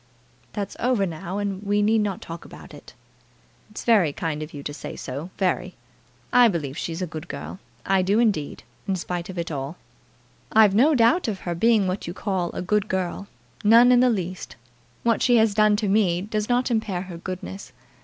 "That's over now, and we need not talk about it." "It's very kind of you to say so, very. I believe she's a good girl. I do, indeed, in spite of it all." "I've no doubt of her being what you call a good girl, none in the least. What she has done to me does not impair her goodness.